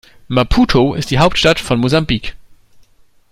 Maputo ist die Hauptstadt von Mosambik.